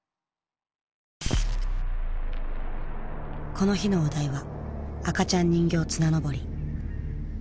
この日のお題は「赤ちゃん人形綱登り」。